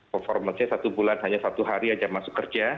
performannya satu bulan hanya satu hari saja masuk kerja